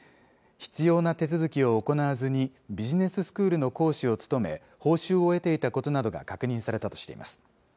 必要な手続きを行わずに、ビジネススクールの講師を務め、報酬を得ていたことなどが確認されたとしています。